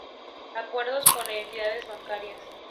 Acuerdos con entidades bancarias.